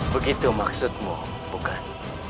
begitu maksudmu bukan